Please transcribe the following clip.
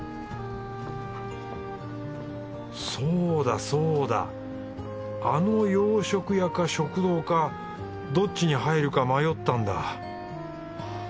そうだそうだあの洋食屋か食堂かどっちに入るか迷ったんだ。